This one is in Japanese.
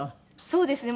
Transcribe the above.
そうですね。